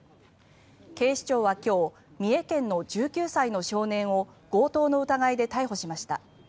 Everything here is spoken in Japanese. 警視庁は今日三重県の１９歳の少年を強盗の疑いで逮捕しました。